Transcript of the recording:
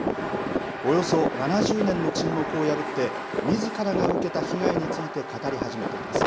およそ７０年の沈黙を破って、みずからが受けた被害について語り始めています。